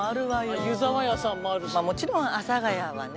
もちろん阿佐ヶ谷はね